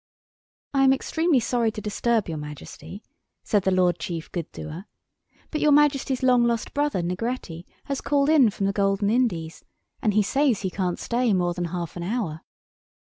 "I am extremely sorry to disturb your Majesty," said the Lord Chief Good doer, "but your Majesty's long lost brother Negretti has called in from the Golden Indies, and he says he can't stay more than half an hour."